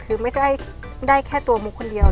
คือไม่ได้แค่ตัวมุกคนเดียว